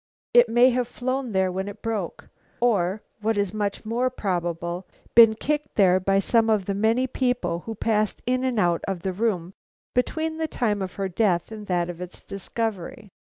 "It may have flown there when it broke, or, what is much more probable, been kicked there by some of the many people who passed in and out of the room between the time of her death and that of its discovery."